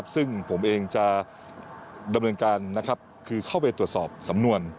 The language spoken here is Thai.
ซึ่งผมเองจะดำเนินการคือเข้าไปตรวจสอบสำนวน